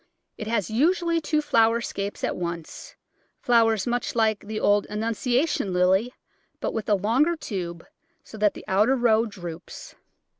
It has usually two flower scapes at once, flowers much like the old Annunciation Lily, but with a longer tube, so that the outer row droops.